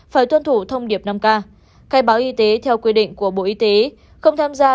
phải tuân thủ thông điệp năm k khai báo y tế theo quy định của bộ y tế không tham gia